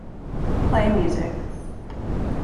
Play music